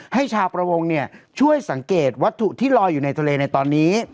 ให้ชาวประวงช่วยสังเกตวัตถุที่ลอยอยู่ในทะเลในตอนนี้